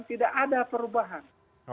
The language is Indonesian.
tidak ada perubahan